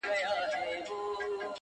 هم برېتونه هم لكۍ يې ښوروله،